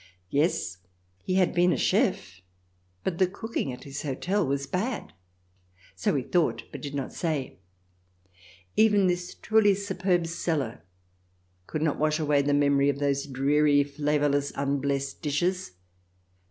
Yes, he had been a chef, but the cooking at his hotel was bad — so we thought, but did not say. Even this truly superb cellar cannot wash away the memory of those dreary, flavourless, unblessed dishes.